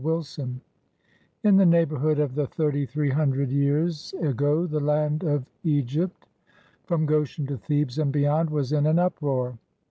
WILSON In the neighborhood of thixty three hundred years ago the land of Egypt, from Goshen to Thebes and beyond, was in an uproar.